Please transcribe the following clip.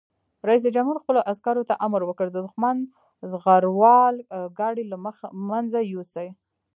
رئیس جمهور خپلو عسکرو ته امر وکړ؛ د دښمن زغروال ګاډي له منځه یوسئ!